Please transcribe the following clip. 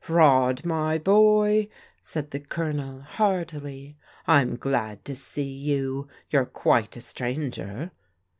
" Rod, my boy," said the Colonel heartily, " I'm glad to see you. You're quite a stranger."